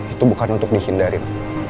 itu bukan untuk dihindarin